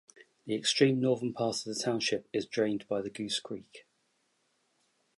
The extreme northern part of the township is drained by Goose Creek.